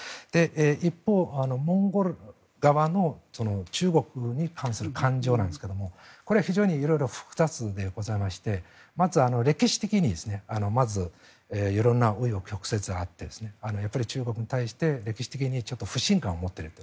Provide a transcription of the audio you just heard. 一方、モンゴル側の中国に関する感情ですがこれは非常に色々複雑でございましてまず、歴史的に色んな紆余曲折があってやっぱり中国に対して歴史的に不信感を持っていると。